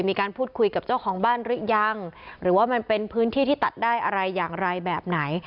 มีการพูดคุยกับเจ้าของบ้านหรือยังหรือว่ามันเป็นพื้นที่ที่ตัดได้อะไรอย่างไรแบบไหน